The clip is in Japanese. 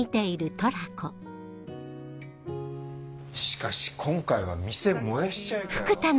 しかし今回は「店燃やしちゃえ」かよ。